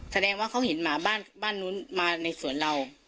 แสดงว่าเขาเห็นหมาบ้านนู้นมาในสวนเรา